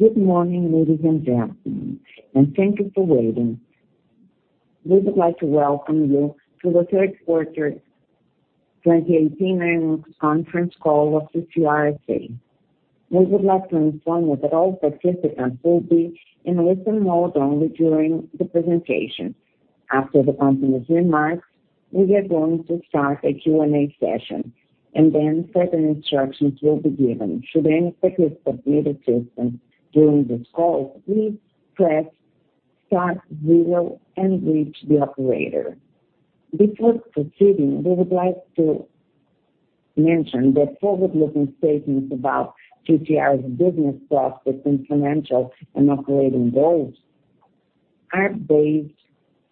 Good morning, ladies and gentlemen, thank you for waiting. We would like to welcome you to the third quarter 2018 earnings conference call of the CCR S.A. We would like to inform you that all participants will be in listen-only mode during the presentation. After the company's remarks, we are going to start a Q&A session, then certain instructions will be given. Should any participants need assistance during this call, please press star zero and reach the operator. Before proceeding, we would like to mention that forward-looking statements about CCR's business prospects and financial and operating goals are based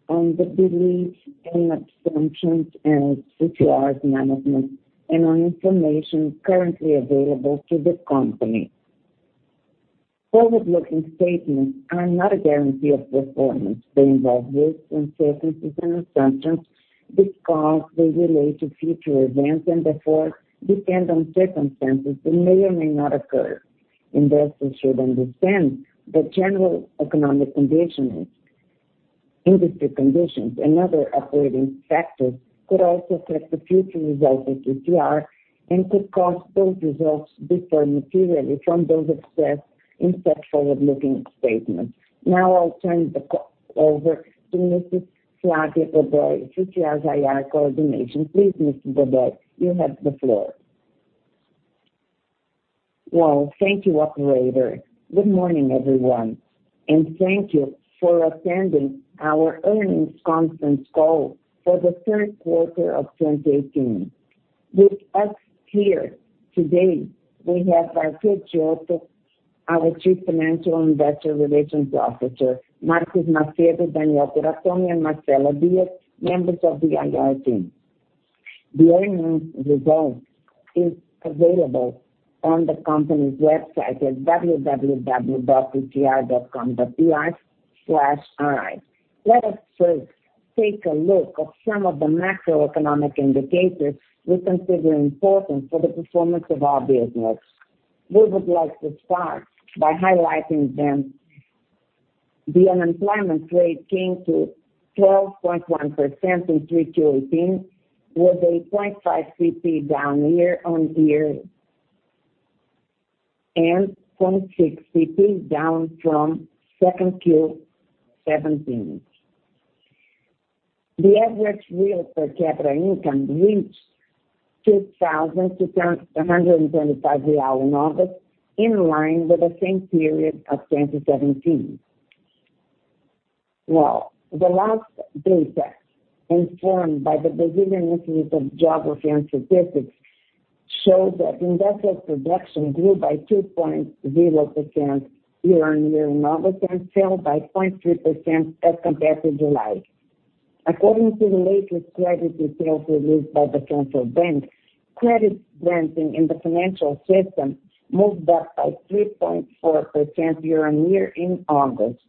on the beliefs and assumptions of CCR's management and on information currently available to the company. Forward-looking statements are not a guarantee of performance. They involve risks, uncertainties and assumptions because they relate to future events, therefore depend on circumstances that may or may not occur. Investors should understand that general economic conditions, industry conditions and other operating factors could also affect the future results of CCR and could cause those results to differ materially from those expressed in such forward-looking statements. I'll turn the call over to Ms. Flávia Godoy, CCR's IR coordination. Please, Ms. Godoy, you have the floor. Well, thank you, operator. Good morning, everyone, thank you for attending our earnings conference call for the third quarter of 2018. With us here today, we have Arthur Ghiotto, our Chief Financial and Investor Relations Officer, Marcos Maciel, Daniel Terracioni, and Marcelo Dias, members of the IR team. The earnings result is available on the company's website at www.ccr.com.br/ir. Let us first take a look at some of the macroeconomic indicators we consider important for the performance of our business. We would like to start by highlighting them. The unemployment rate came to 12.1% in Q3 2018, with a 0.5 percentage points down year-on-year, and 0.6 percentage points down from Q2 2017. The average real per capita income reached BRL 2,225 in August, in line with the same period of 2017. The last data informed by the Brazilian Institute of Geography and Statistics show that industrial production grew by 2.0% year-on-year in August and fell by 0.3% as compared to July. According to the latest credit details released by the Central Bank, credit granting in the financial system moved up by 3.4% year-on-year in August.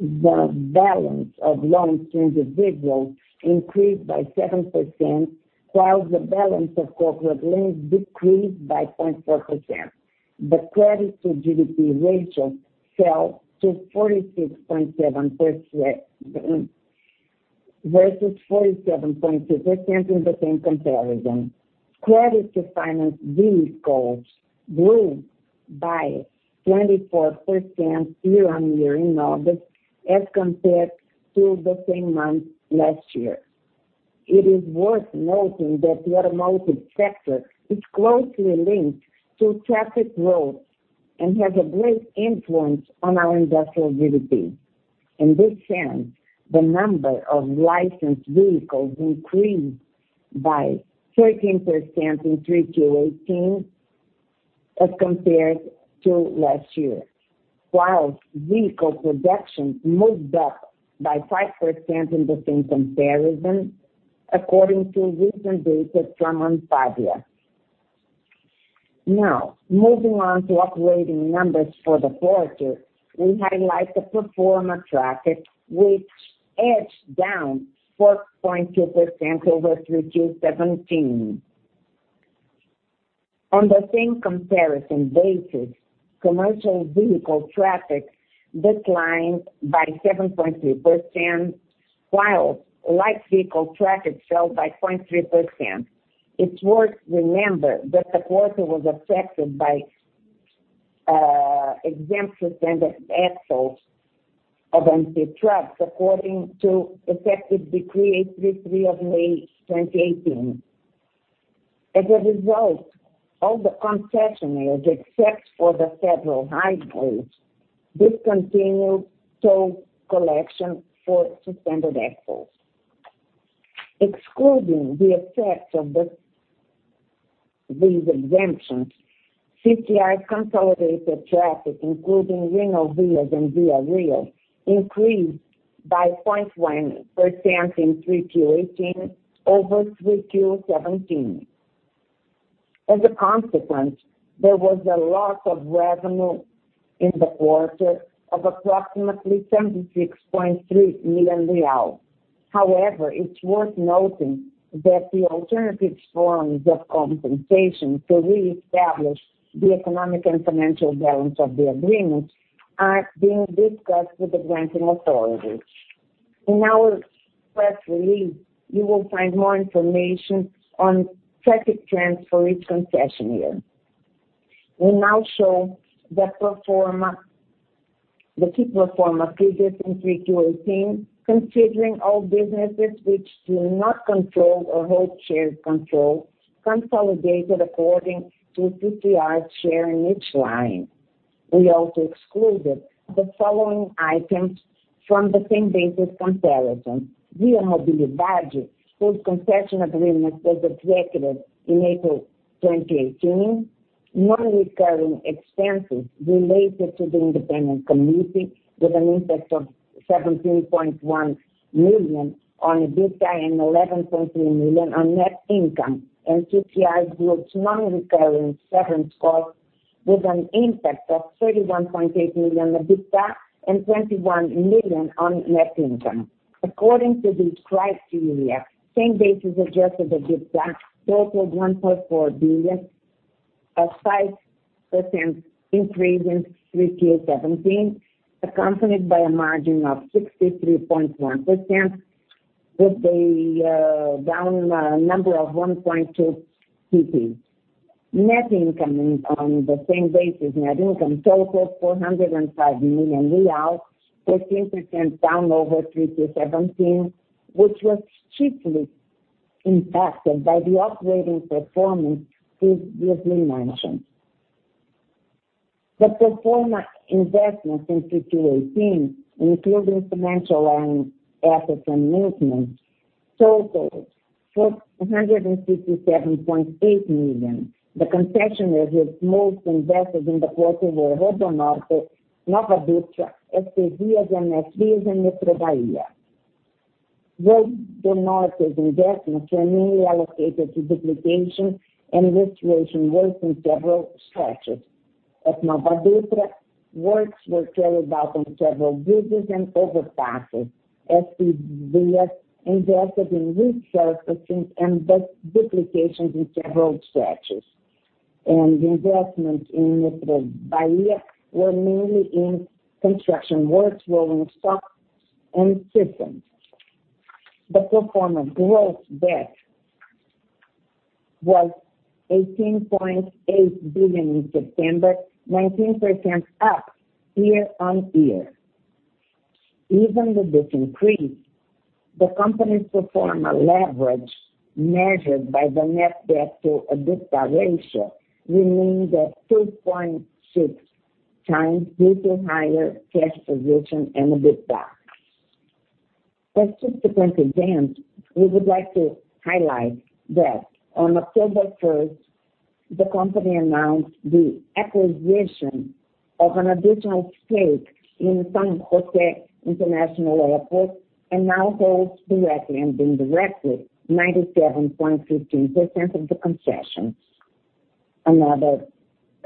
The balance of loans to individuals increased by 7%, while the balance of corporate loans decreased by 0.4%. The credit to GDP ratio fell to 46.7% versus 47.2% in the same comparison. Credit to finance vehicles grew by 24% year-on-year in August as compared to the same month last year. It is worth noting that the automotive sector is closely linked to traffic growth and has a great influence on our industrial GDP. In this sense, the number of licensed vehicles increased by 13% in Q3 2018 as compared to last year, while vehicle production moved up by 5% in the same comparison, according to recent data from Anfavea. Moving on to operating numbers for the quarter, we highlight the proforma traffic, which edged down 4.2% over Q3 2017. On the same comparison basis, commercial vehicle traffic declined by 7.3%, while light vehicle traffic fell by 0.3%. It's worth remembering that the quarter was affected by exemptions and axles of empty trucks according to effective Decree 833 of May 2018. As a result, all the concessionaires, except for the federal highways, discontinued toll collection for suspended axles. Excluding the effect of these exemptions, CCR's consolidated traffic, including RodoAnel vehicles and ViaRio, increased by 0.1% in 3Q 2018 over 3Q 2017. As a consequence, there was a loss of revenue in the quarter of approximately 76.3 million real. However, it's worth noting that the alternative forms of compensation to reestablish the economic and financial balance of the agreements are being discussed with the granting authorities. In our press release, you will find more information on traffic trends for each concession here. We now show the key pro forma figures in 3Q 2018, considering all businesses which do not control or hold shared control, consolidated according to CCR share in each line. We also excluded the following items from the same basis comparison. ViaMobilidade, whose concession agreement was executed in April 2018. Non-recurring expenses related to the independent committee, with an impact of 17.1 million on EBITDA and 11.3 million on net income, and CCR Group's non-recurring severance costs, with an impact of 31.8 million on EBITDA and 21 million on net income. According to the press release, same basis adjusted EBITDA totaled BRL 1.4 billion, a 5% increase in 3Q 2017, accompanied by a margin of 63.1%, with a down number of 1.2 percentage points. Net income on the same basis, net income totaled 405 million real, 13% down over 3Q 2017, which was chiefly impacted by the operating performance previously mentioned. The pro forma investments in 3Q 2018, including financial and assets maintenance, totaled 467.8 million. The concessionaire has most invested in the quarter were RodoNorte, NovaDutra, SPVias and Metrô Bahia. RodoNorte's investments were mainly allocated to duplication and restoration works in several stretches. At NovaDutra, works were carried out on several bridges and overpasses. SPVias invested in resurfacing and duplications in several stretches, and the investments in Metrô Bahia were mainly in construction works, rolling stock, and systems. The pro forma gross debt was 18.8 billion in September, 19% up year-over-year. Even with this increase, the company's pro forma leverage, measured by the net debt to EBITDA ratio, remains at 2.6 times, due to higher cash position and EBITDA. As subsequent events, we would like to highlight that on October 1, the company announced the acquisition of an additional stake in São José dos Campos International Airport, and now holds directly and indirectly 97.15% of the concession. Another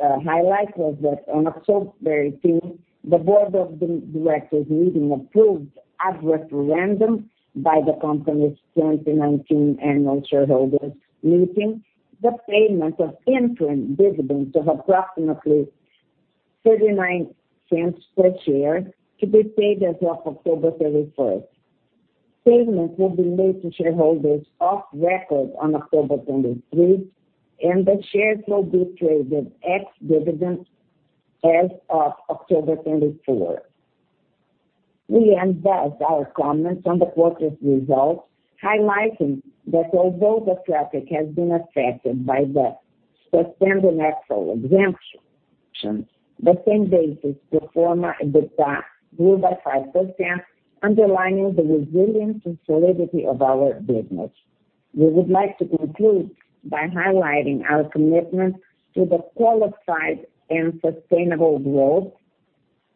highlight was that on October 18, the Board of Directors meeting approved as referendum by the company's 2019 annual shareholders meeting, the payment of interim dividends of approximately 0.39 per share to be paid as of October 31. Payment will be made to shareholders of record on October 23, and the shares will be traded ex-dividend as of October 24. We end thus our comments on the quarter's results, highlighting that although the traffic has been affected by the suspended axle exemption, the same basis pro forma EBITDA grew by 5%, underlining the resilience and solidity of our business. We would like to conclude by highlighting our commitment to the qualified and sustainable growth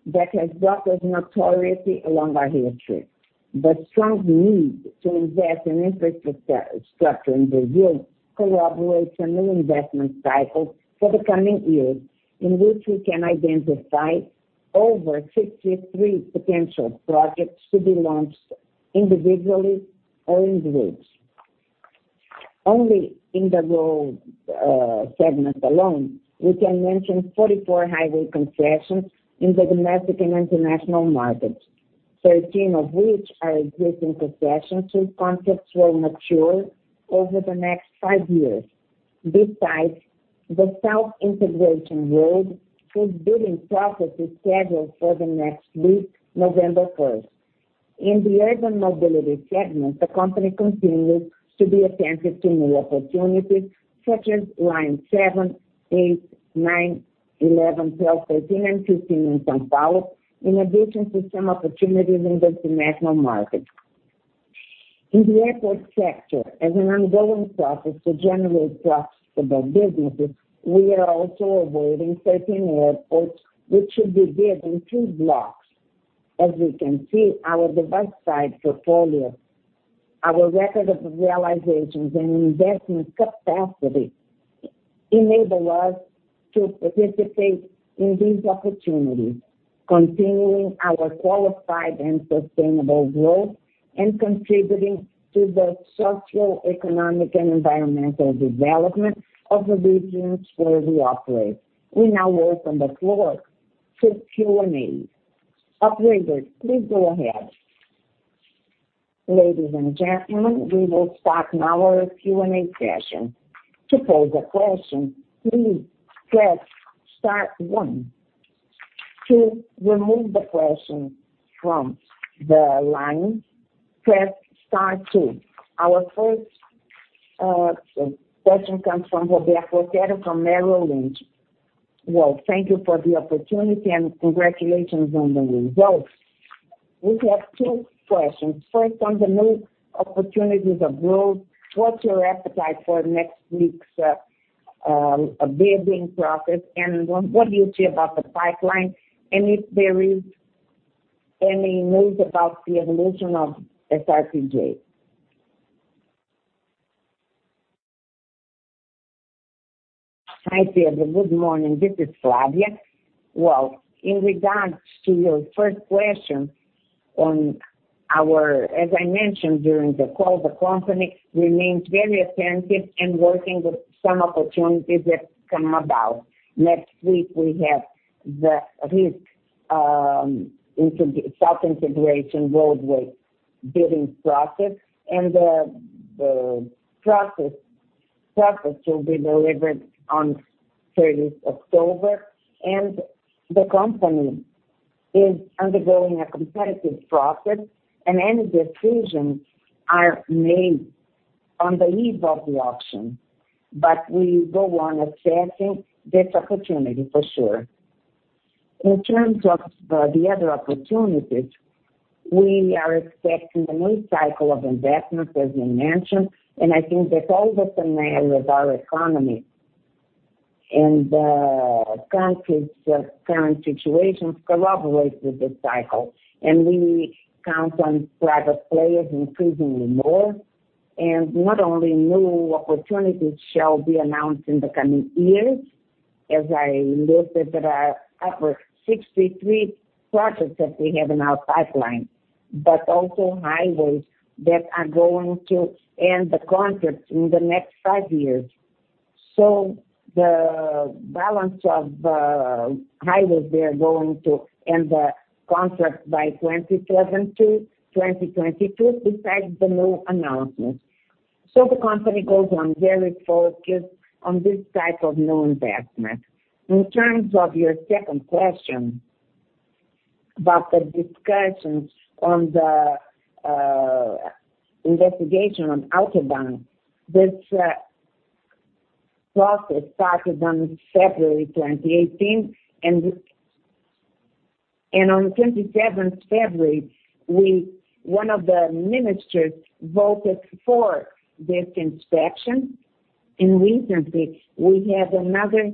that has brought us notoriety along our history. The strong need to invest in infrastructure in Brazil corroborates a new investment cycle for the coming years, in which we can identify over 63 potential projects to be launched individually or in groups. Only in the road segment alone, we can mention 44 highway concessions in the domestic and international markets, 13 of which are existing concessions whose contracts will mature over the next five years. Besides, the South Integration Road, whose bidding process is scheduled for the next week, November 1st. In the urban mobility segment, the company continues to be attentive to new opportunities, such as line 7, 8, 9, 11, 12, 13, and 15 in São Paulo, in addition to some opportunities in the international market. In the airport sector, as an ongoing process to generate profitable businesses, we are also evaluating 13 airports, which will be bid in two blocks. As you can see, our diverse size portfolio, our record of realizations, and investment capacity enable us to participate in these opportunities, continuing our qualified and sustainable growth, and contributing to the social, economic, and environmental development of the regions where we operate. We now open the floor to Q&A. Operator, please go ahead. Ladies and gentlemen, we will start now our Q&A session. To pose a question, please press star one. To remove the question from the line, press star two. Our first question comes from Roberto from Merrill Lynch. Thank you for the opportunity and congratulations on the results. We have two questions. First, on the new opportunities of growth, what's your appetite for next week's bidding process, and what do you say about the pipeline, and if there is any news about the evolution of SRPJ. Hi there. Good morning. This is Flávia. In regards to your first question on our, as I mentioned during the call, the company remains very attentive and working with some opportunities that come about. Next week, we have the RISC self-integration roadway bidding process, and the process will be delivered on 30th October, and the company is undergoing a competitive process, and any decisions are made on the eve of the auction. But we go on assessing this opportunity for sure. In terms of the other opportunities, we are expecting a new cycle of investments, as you mentioned, and I think that all the scenario of our economy and the country's current situation collaborates with this cycle. We count on private players increasingly more. Not only new opportunities shall be announced in the coming years, as I listed that are upward 63 projects that we have in our pipeline. Highways that are going to end the contract in the next five years. So the balance of the highways, they are going to end the contract by 2022 besides the new announcements. So the company goes on very focused on this type of new investment. In terms of your second question about the discussions on the investigation on Outbank. This process started on February 2018, and on 27th February, one of the ministers voted for this inspection. Recently, we had another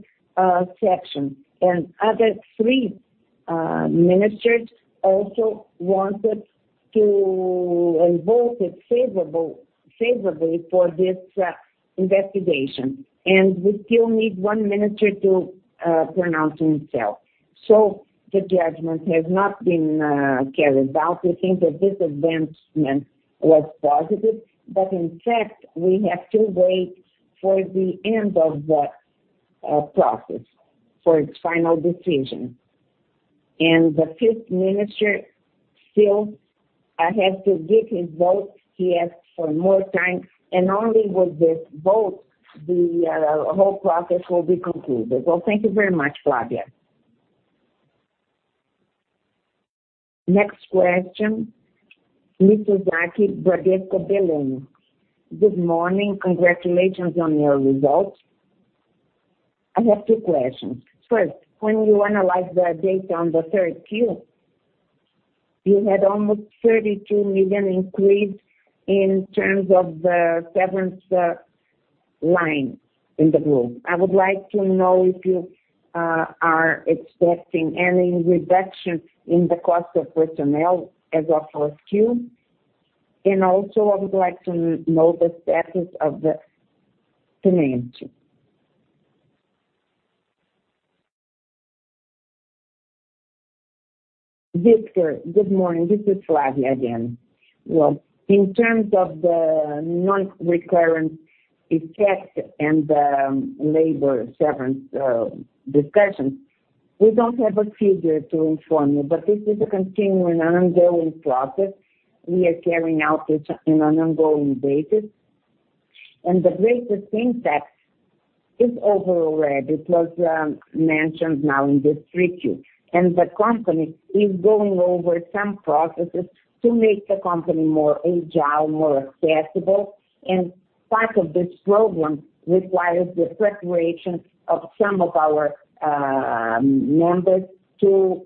session, and other three ministers also wanted to, and voted favorably for this investigation. We still need one minister to pronounce himself. So the judgment has not been carried out. We think that this advancement was positive, but in fact, we have to wait for the end of the process for its final decision. The fifth minister still has to give his vote. He asked for more time, and only with this vote, the whole process will be concluded. Thank you very much, Flavia. Next question, Mr. Zach, Bradesco BBI. Good morning. Congratulations on your results. I have two questions. When you analyze the data on the third Q, you had almost 32 million increase in terms of the severance line in the group. I would like to know if you are expecting any reduction in the cost of personnel as of last Q. I would like to know the status of the PNMU. Victor, good morning. This is Flavia again. In terms of the non-recurrent effect and the labor severance discussions, we don't have a figure to inform you, but this is a continuing and ongoing process. We are carrying out this on an ongoing basis. The greater impact is over already. It was mentioned now in this 3Q. The company is going over some processes to make the company more agile, more accessible. Part of this program requires the preparation of some of our members to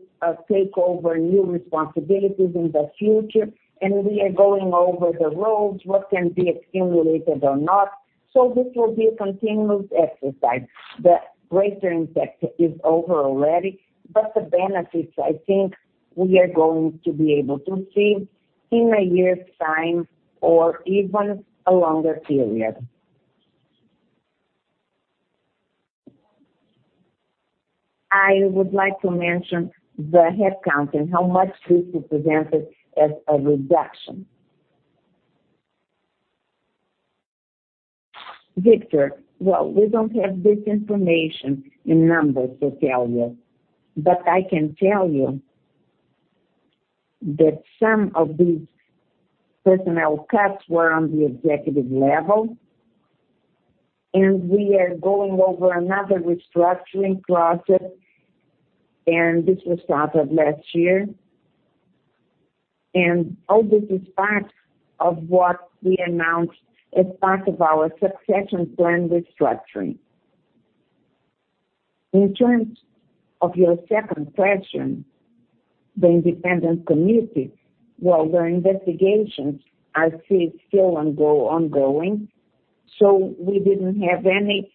take over new responsibilities in the future. We are going over the roles, what can be accumulated or not. This will be a continuous exercise. The greater impact is over already. The benefits, I think we are going to be able to see in a year's time or even a longer period. I would like to mention the headcount and how much this represented as a reduction. Victor, we don't have this information in numbers to tell you. I can tell you that some of these personnel cuts were on the executive level, and we are going over another restructuring project, and this was started last year. All this is part of what we announced as part of our succession plan restructuring. In terms of your second question, the independent committee. Their investigations are still ongoing, we didn't have any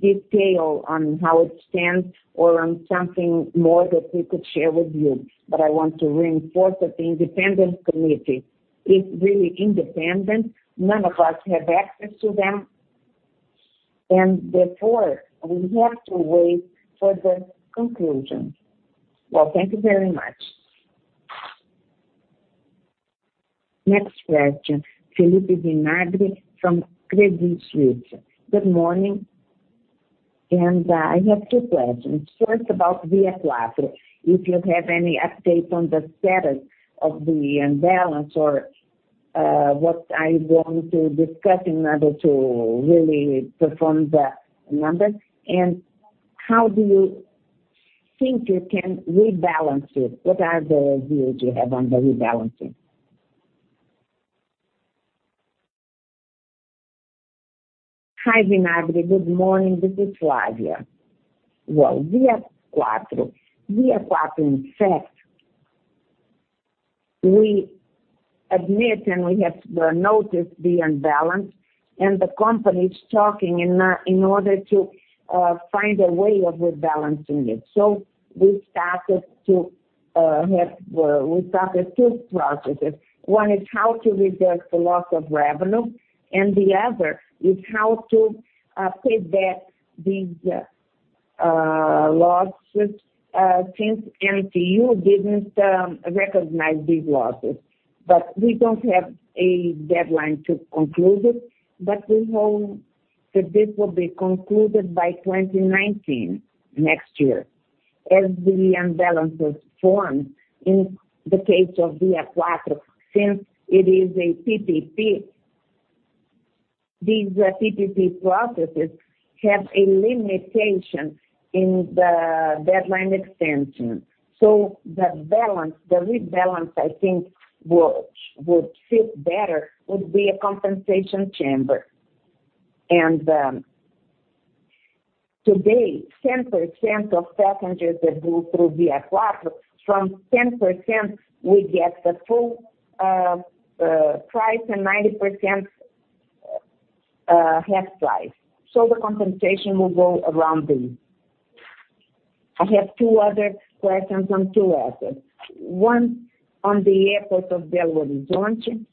detail on how it stands or on something more that we could share with you. I want to reinforce that the independent committee is really independent. None of us have access to them. Therefore, we have to wait for the conclusion. Thank you very much. Next question, Felipe Di Magri from Credit Suisse. Good morning, I have two questions. About ViaQuatro. If you have any updates on the status of the imbalance or what are you going to discuss in order to really perform the numbers. How do you think you can rebalance it? What are the views you have on the rebalancing? Hi, Di Magri. Good morning. This is Flavia. ViaQuatro. ViaQuatro, in fact, we admit and we have noticed the imbalance, the company is talking in order to find a way of rebalancing it. We started two processes. One is how to revert the loss of revenue, and the other is how to pay back these losses, since NTU didn't recognize these losses. We don't have a deadline to conclude it, we hope that this will be concluded by 2019, next year. As the imbalance was formed in the case of ViaQuatro, since it is a PPP, these PPP processes have a limitation in the deadline extension. The rebalance, I think, would fit better, would be a compensation chamber. Today, 10% of passengers that go through ViaQuatro, from 10%, we get the full price, and 90% half price. The compensation will go around this. I have two other questions on two assets. One, on the airport of Belo Horizonte.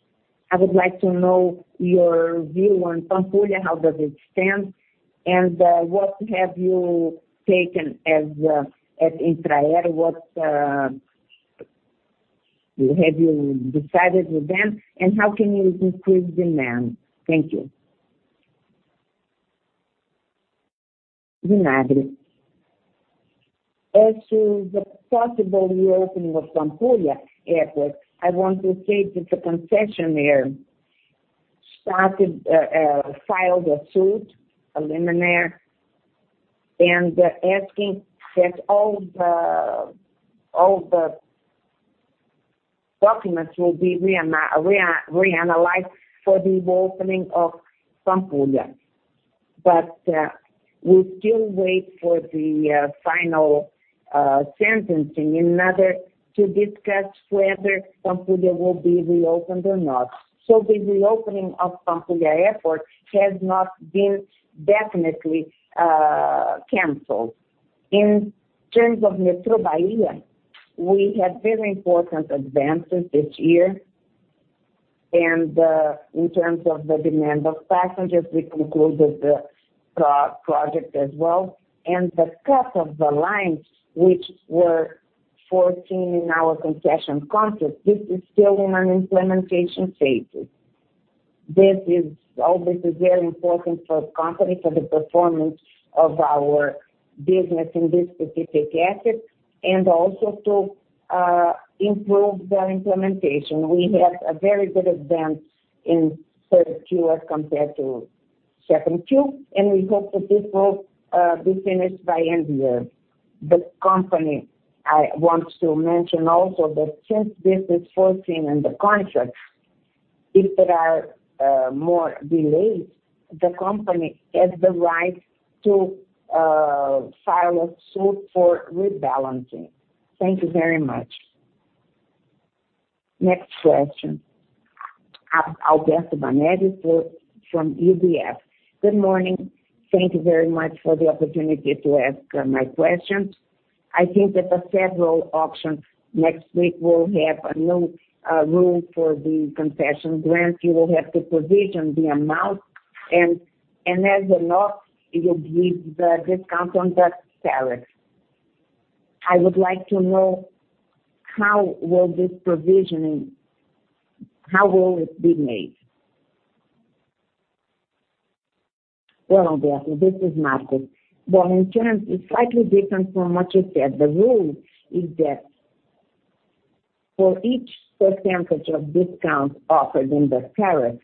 I would like to know your view on Pampulha, how does it stand, and what have you taken at Infraero, what have you decided with them, and how can you improve demand? Thank you. Di Magri. As to the possible reopening of Pampulha Airport, I want to say that the concessionaire filed a suit, a liminar, and asking that all the documents will be reanalyzed for the opening of Pampulha. We still wait for the final sentencing in order to discuss whether Pampulha will be reopened or not. The reopening of Pampulha Airport has not been definitely canceled. In terms of Metrô Bahia, we had very important advances this year. In terms of the demand of passengers, we concluded the project as well. The cut of the lines, which were foreseen in our concession contract, this is still in an implementation phase. All this is very important for the company, for the performance of our business in this specific asset, and also to improve the implementation. We had a very good advance in third Q as compared to second Q, and we hope that this will be finished by end of year. The company, I want to mention also that since this is foreseen in the contract, if there are more delays, the company has the right to file a suit for rebalancing. Thank you very much. Next question Alberto Valerio from UBS. Good morning. Thank you very much for the opportunity to ask my questions. I think that the federal auction next week will have a new rule for the concession grants. You will have to provision the amount, and as a lot, it will be the discount on the tariff. I would like to know how will this provisioning, how will it be made? Well, Alberto, this is Marcos. Well, in terms, it's slightly different from what you said. The rule is that for each % of discount offered in the tariff,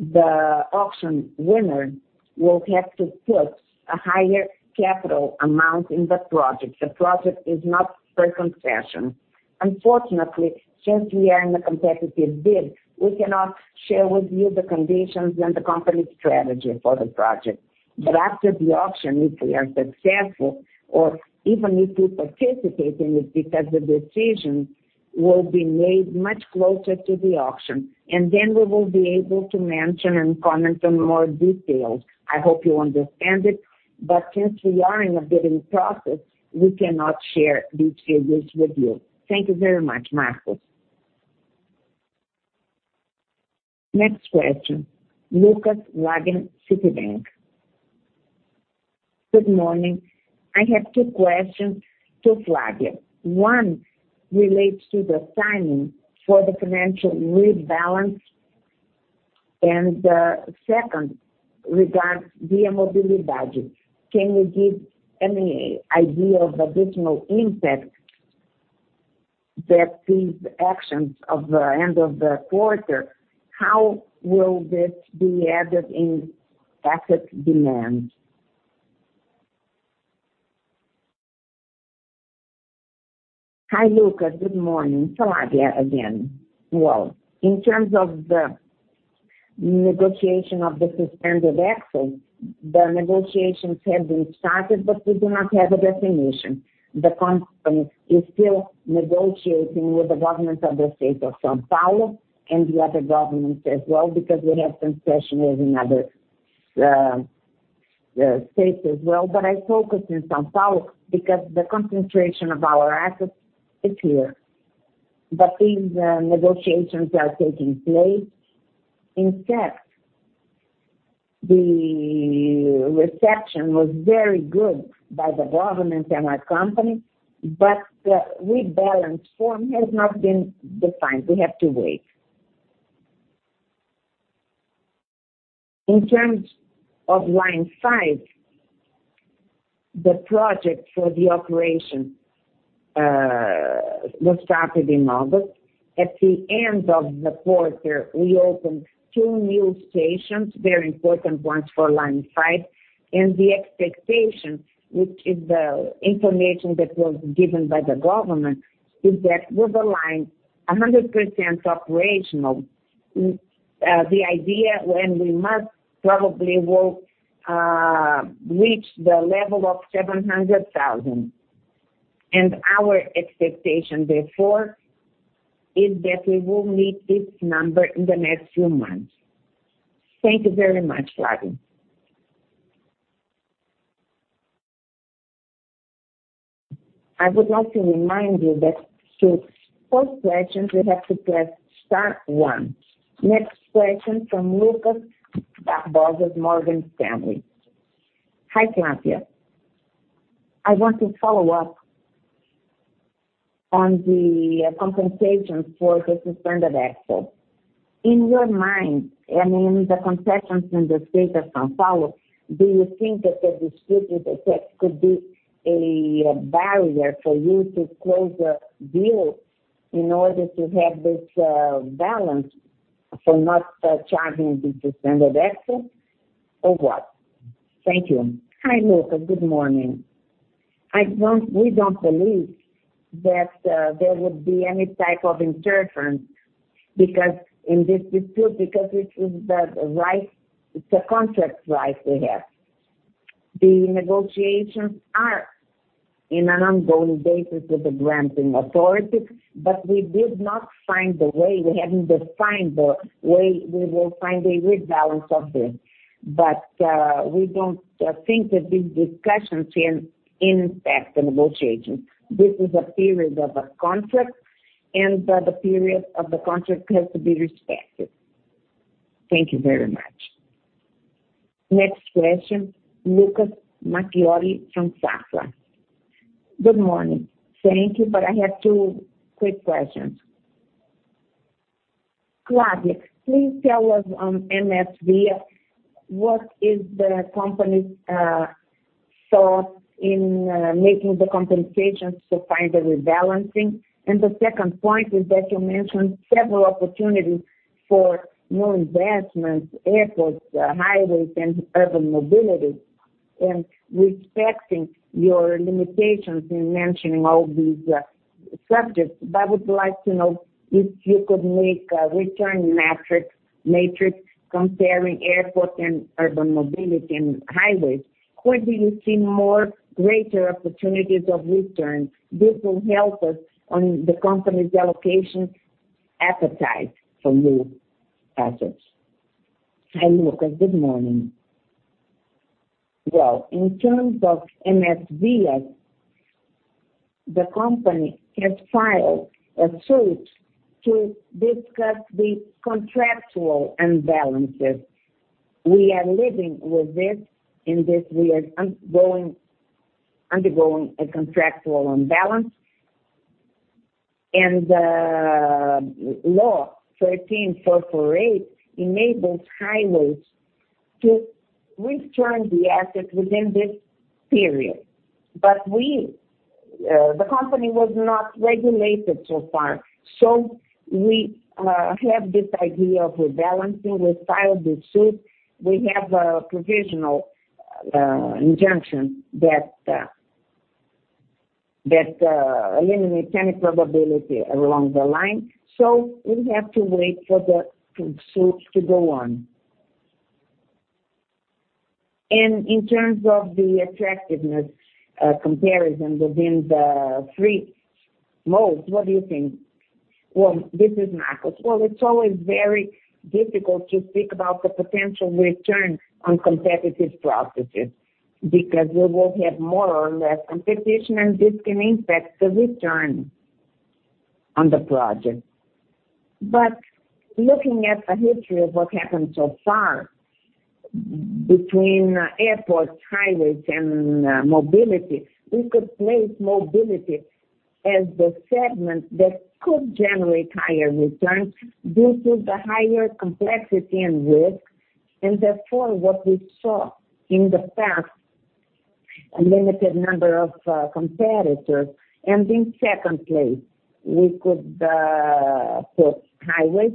the auction winner will have to put a higher capital amount in the project. The project is not for concession. Unfortunately, since we are in a competitive bid, we cannot share with you the conditions and the company's strategy for the project. After the auction, if we are successful or even if we participate in it, because the decision will be made much closer to the auction, then we will be able to mention and comment on more details. I hope you understand it. Since we are in a bidding process, we cannot share details with you. Thank you very much, Marcos. Next question, Lucas Laghi, Citibank. Good morning. I have two questions to Flávia. One relates to the timing for the financial rebalance, the second regards the mobilidade. Can you give any idea of additional impact that these actions of the end of the quarter, how will this be added in asset demand? Hi, Lucas, good morning. Flávia again. Well, in terms of the negotiation of the suspended access, the negotiations have been started, we do not have a definition. The company is still negotiating with the government of the state of São Paulo and the other governments as well, because we have concession in other states as well. I focus in São Paulo because the concentration of our assets is here. These negotiations are taking place. The reception was very good by the government and our company. The rebalance form has not been defined. We have to wait. In terms of Line 5, the project for the operation, was started in August. At the end of the quarter, we opened two new stations, very important ones for Line 5. The expectation, which is the information that was given by the government, is that with the line 100% operational, the idea when we must probably will reach the level of 700,000. Our expectation therefore is that we will meet this number in the next few months. Thank you very much, Flavia. I would like to remind you that to pose questions, you have to press star one. Next question from Lucas Barbosa, Morgan Stanley. Hi, Flavia. I want to follow up on the compensation for the suspended access. In your mind, in the concessions in the state of São Paulo, do you think that the disputed effect could be a barrier for you to close a deal in order to have this balance for not charging the suspended access or what? Thank you. Hi, Lucas, good morning. We don't believe that there would be any type of interference because in this dispute, because it's a contract right we have. The negotiations are in an ongoing basis with the granting authority, we did not find the way, we haven't defined the way we will find a rebalance of this. We don't think that these discussions can impact the negotiation. This is a period of a contract, the period of the contract has to be respected. Thank you very much. Next question, Lucas Marquiori from Safra. Good morning. Thank you, I have two quick questions. Flavia, please tell us on MSVia, what is the company's thought in making the compensations to find the rebalancing? The second point is that you mentioned several opportunities for new investments, airports, highways, urban mobility. Respecting your limitations in mentioning all these subjects, I would like to know if you could make a return matrix comparing airport and urban mobility and highways. Where do you see more greater opportunities of return? This will help us on the company's allocation appetite for new assets. Hi, Lucas. Good morning. Well, in terms of MSVia, the company has filed a suit to discuss the contractual imbalances. We are living with this, in this we are undergoing a contractual imbalance. The Law 13.448 enables highways to return the assets within this period. The company was not regulated so far. We have this idea of rebalancing. We filed the suit. We have a provisional injunction that eliminate any probability along the line. We have to wait for the suit to go on. In terms of the attractiveness comparison within the three modes, what do you think? This is Marcos. It's always very difficult to speak about the potential return on competitive processes, because we will have more or less competition, this can impact the return on the project. Looking at the history of what happened so far between airports, highways, mobility, we could place mobility as the segment that could generate higher returns due to the higher complexity and risk, therefore, what we saw in the past, a limited number of competitors. In second place, we could put highways,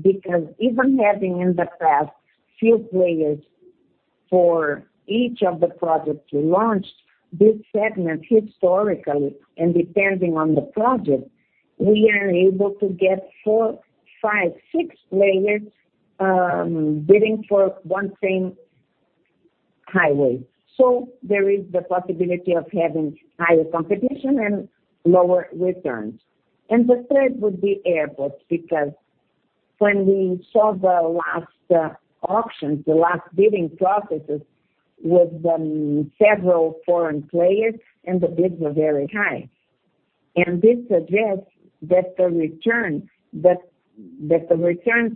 because even having, in the past, few players for each of the projects we launched, this segment historically, and depending on the project, we are able to get four, five, six players, bidding for one same highway. There is the possibility of having higher competition and lower returns. The third would be airports, because when we saw the last auctions, the last bidding processes with the several foreign players, the bids were very high. This suggests that the returns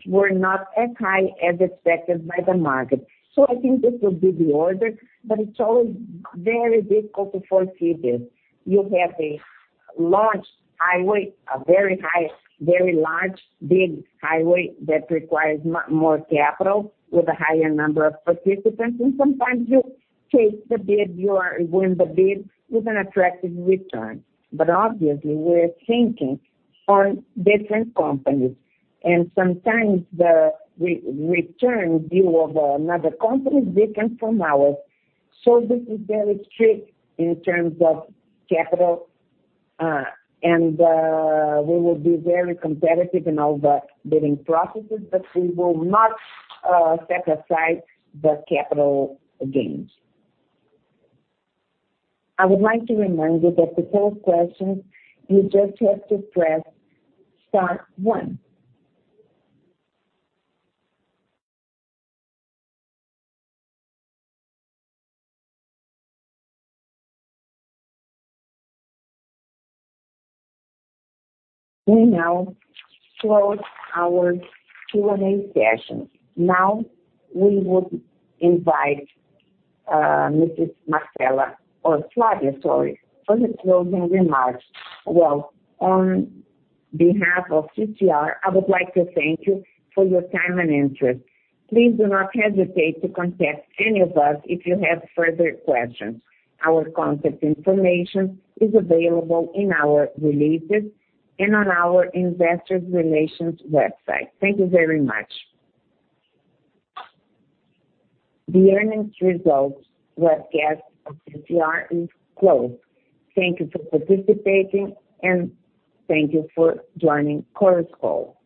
were not as high as expected by the market. I think this would be the order, but it's always very difficult to foresee this. You have a large highway, a very large, big highway that requires more capital with a higher number of participants, and sometimes you take the bid, you win the bid with an attractive return. Obviously, we're thinking on different companies, and sometimes the return view of another company is different from ours. This is very strict in terms of capital. We will be very competitive in all the bidding processes, but we will not set aside the capital gains. I would like to remind you that to pose questions, you just have to press star one. We now close our Q&A session. We would invite Marcela, or Flávia, sorry, for the closing remarks. On behalf of CCR, I would like to thank you for your time and interest. Please do not hesitate to contact any of us if you have further questions. Our contact information is available in our releases and on our investor relations website. Thank you very much. The earnings results webcast of CCR is closed. Thank you for participating. Thank you for joining Chorus Call.